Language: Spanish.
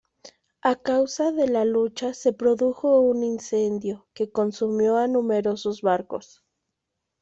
A causa de la lucha se produjo un incendio que consumió a numerosos barcos.